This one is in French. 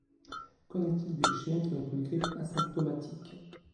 Qu'en est il des chiens qui ont une grippe asymptomatique?